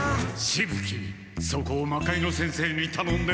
しぶ鬼そこを魔界之先生にたのんでなんとか。